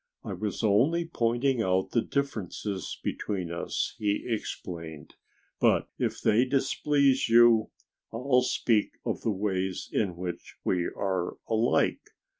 "I was only pointing out the differences between us," he explained. "But if they displease you, I'll speak of the ways in which we are alike.